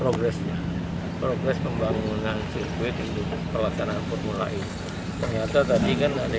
progresnya progres pembangunan sirkuit untuk pelaksanaan formula e ternyata tadi kan ada